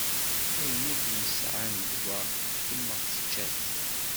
Ayen akk i yesɛa n ddwa temmeɣ tečča-t.